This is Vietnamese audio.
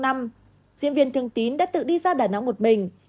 diễn viên thương tín đã tự đi ra đà nẵng một mình